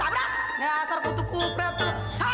hah apa banyak tanggung gua ajar gua ajar ya